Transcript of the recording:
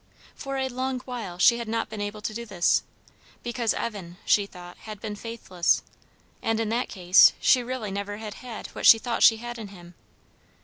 For a long while she had not been able to do this, because Evan, she thought, had been faithless, and in that case she really never had had what she thought she had in him.